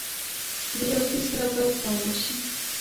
د لرګي سره باید پام وشي.